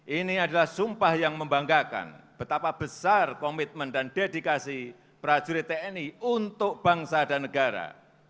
ini adalah sumpah yang membanggakan betapa besar komitmen dan dedikasi prajurit tni untuk bangsa dan negara